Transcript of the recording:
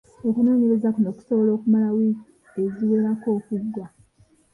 Okunoonyereza kuno kusobola okumala wiiki eziwerako okuggwa.